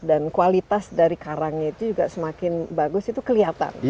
dan kualitas dari karangnya itu juga semakin bagus itu kelihatan